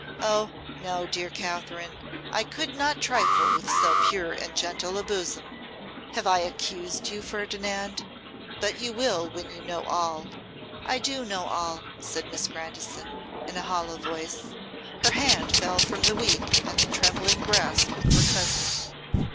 Oh! no, dear Katherine, I could not trifle with so pure and gentle a bosom.' 'Have I accused you, Ferdinand?' 'But you will when you know all.' 'I do know all,' said Miss Grandison, in a hollow voice. Her hand fell from the weak and trembling grasp of her cousin.